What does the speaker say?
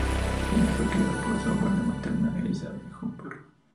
El niño fue criado por su abuela materna Elisabeth Huber.